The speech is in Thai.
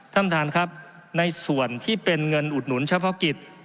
ท่านประธานครับในส่วนที่เป็นเงินอุดหนุนเฉพาะกิจ